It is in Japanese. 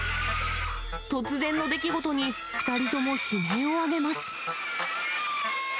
突然の出来事に２人とも悲鳴を上げます。